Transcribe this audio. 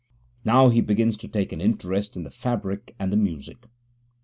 Now he begins to take an interest in the fabric and the music.